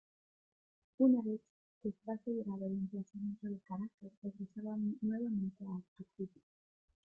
Una vez que está asegurado el emplazamiento de Caracas regresaba nuevamente a El Tocuyo.